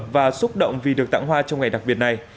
và xúc động vì được tặng hoa trong ngày đặc biệt này